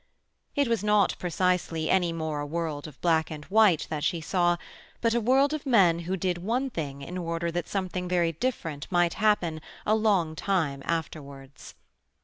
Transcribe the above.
It was not, precisely, any more a world of black and white that she saw, but a world of men who did one thing in order that something very different might happen a long time afterwards.